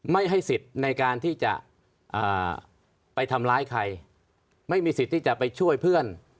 ไม่ให้สิทธิ์ในการที่จะไปทำร้ายใครไม่มีสิทธิ์ที่จะไปช่วยเพื่อน